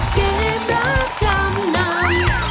เกมรักทางนำ